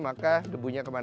maka debunya kelihatan